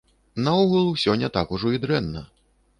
Наогул, усё не так ужо і дрэнна.